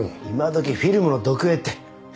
今どきフィルムの読影って。